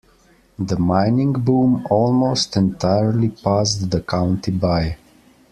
The mining boom almost entirely passed the county by.